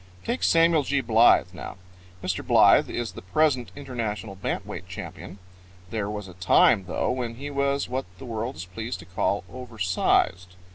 Take Samuel G. Blythe now. Mr. Blythe is the present international bant weight champion. There was a time, though, when he was what the world is pleased to call over sized.